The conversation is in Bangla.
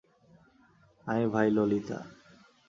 আয় ভাই ললিতা!